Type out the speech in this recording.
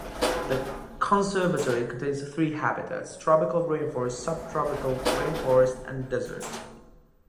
The conservatory contains three habitats: tropical rainforest, subtropical rainforest, and desert.